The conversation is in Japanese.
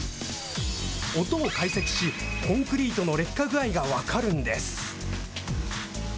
音を解析し、コンクリートの劣化具合が分かるんです。